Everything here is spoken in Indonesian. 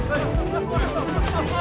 kau memang perlu berhenti